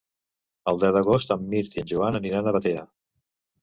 El deu d'agost en Mirt i en Joan aniran a Batea.